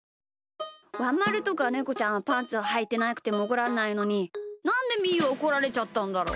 ワンまるとかネコちゃんはパンツをはいてなくてもおこられないのになんでみーはおこられちゃったんだろう？